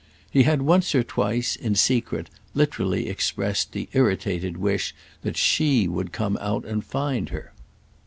He had once or twice, in secret, literally expressed the irritated wish that she would come out and find her.